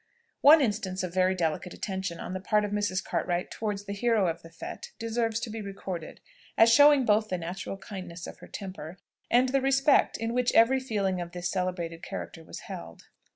One instance of very delicate attention on the part of Mrs. Cartwright towards the hero of the fête deserves to be recorded, as showing both the natural kindness of her temper, and the respect in which every feeling of this celebrated character was held.